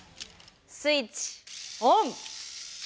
スイッチオン！